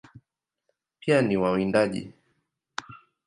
Pia ni wawindaji.